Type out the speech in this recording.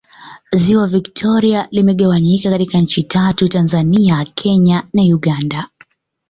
Ziwa Victoria limegawanyika katika Nchi tatu Tanzania Kenya na Uganda